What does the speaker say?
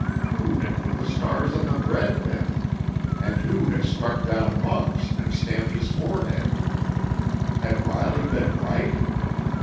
Who had put the stars on the bread then, and who had struck down Muggs and stamped his forehead? Had Riley been right?